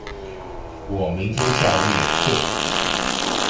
我明天下午有課